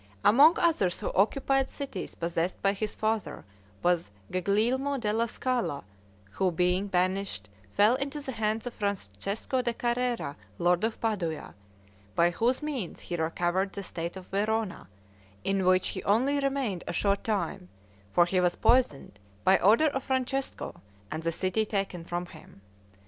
Among others who occupied cities possessed by his father, was Guglielmo della Scala, who, being banished, fell into the hands of Francesco de Carrera, lord of Padua, by whose means he recovered the state of Verona, in which he only remained a short time, for he was poisoned, by order of Francesco, and the city taken from him.